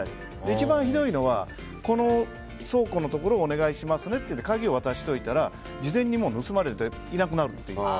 一番ひどいのはこの倉庫のところをお願いしますと鍵を渡しておいたら、事前に盗まれていなくなるっていう。